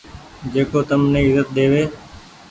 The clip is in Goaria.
جيڪو تم ني ايزت ۮيوي